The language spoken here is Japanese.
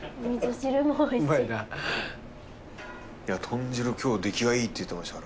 豚汁今日出来がいいって言ってましたから。